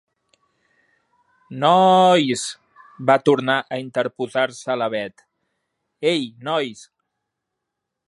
Nooois —va tornar a interposar-se la Bet— Ei, nois!